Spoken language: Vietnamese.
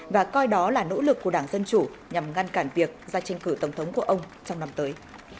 và coi đó là nỗ lực của đảng dân chủ nhằm ngăn cản việc ra tranh cử tổng thống của ông trong năm tới